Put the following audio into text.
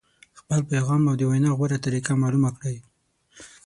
خپل پیغام او د وینا غوره طریقه معلومه کړئ.